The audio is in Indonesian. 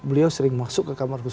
beliau sering masuk ke kamar khusus